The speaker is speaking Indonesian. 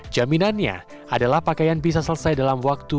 jaminannya adalah pakaian bisa selesai dalam waktu